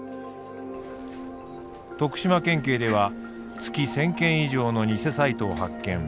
徳島県警では月１，０００件以上の偽サイトを発見。